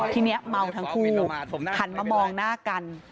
ทีนี้เมาทั้งคู่หันมามองหน้ากัน